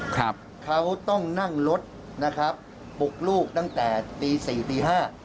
ครับเขาต้องนั่งรถนะครับปลุกลูกตั้งแต่ตีสี่ตีห้า